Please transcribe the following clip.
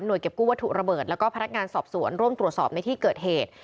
เก็บกู้วัตถุระเบิดแล้วก็พนักงานสอบสวนร่วมตรวจสอบในที่เกิดเหตุ